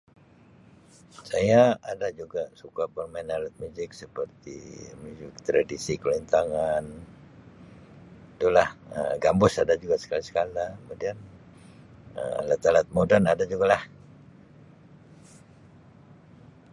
Saya ada juga suka bermain alat muzik seperti muzik tradisi kulintangan tulah, Um gambus ada juga sekali sekala kemudian Um alat-alat moden ada jugalah.